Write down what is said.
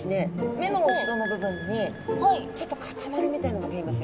目の後ろの部分にちょっと塊みたいなのが見えますよね。